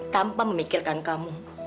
tanpa memikirkan kamu